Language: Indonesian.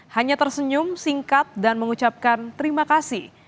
hanya tersenyum singkat dan mengucapkan terima kasih